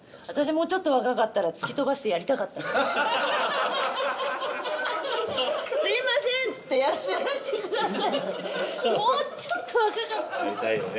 もうちょっと若かったら突き飛ばしてやりたかったな「すいません！」っつって「やらしてください」ってもうちょっと若かったらやりたいよね